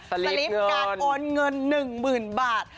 สลิปการโอนเงิน๑๐๐๐บาท